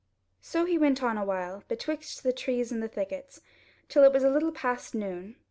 So he went on a while betwixt the trees and the thickets, till it was a little past noon.